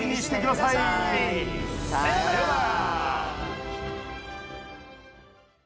さよなら。